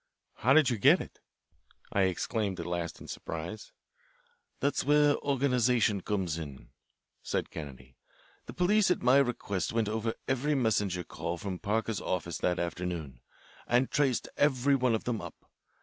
"How did you get it?" I exclaimed at last in surprise. "That's where organisation comes in," said Kennedy. "The police at my request went over every messenger call from Parker's office that afternoon, and traced every one of them up.